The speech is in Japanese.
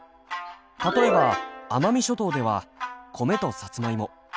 例えば奄美諸島では米とさつまいも。